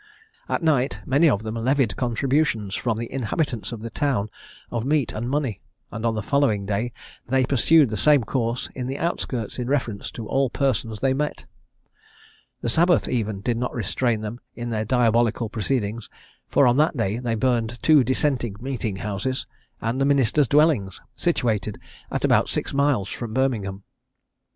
At night many of them levied contributions from the inhabitants of the town of meat and money, and on the following day they pursued the same course in the outskirts in reference to all persons they met. The Sabbath even did not restrain them in their diabolical proceedings, for on that day they burned two dissenting meeting houses, and the ministers' dwellings, situated at about six miles from Birmingham.